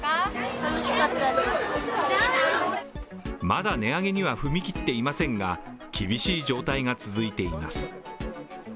まだ値上げには踏み切っていませんが、厳しい状態が続いています。